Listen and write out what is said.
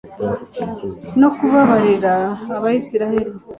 no kubabarira abisirayeli